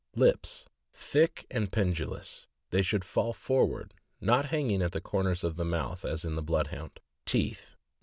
Lips.— Thick and pendulous; they should fall forward (not hang at the corners of the mouth as in the Blood hound). Teeth.